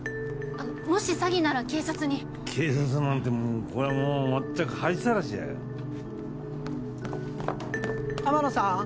あのもし詐欺なら警察に警察なんてもうこれはもう全く恥さらしじゃ天野さん